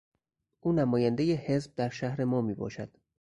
او نمایندهی حزب در شهر ما میباشد.